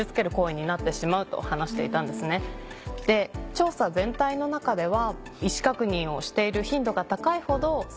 調査全体の中では。